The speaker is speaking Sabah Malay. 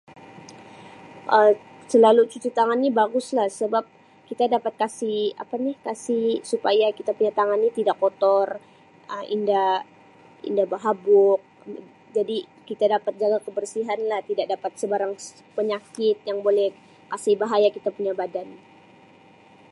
Um Selalu cuci tangan ni baguslah sebab kita dapat kasi apa ni kasi supaya kita punya tangan ni tidak kotor Um inda inda behabuk jadi kita dapat jaga kebersihanlah tidak dapat sebarang penyakit yang boleh kasi bahaya kita punya badan.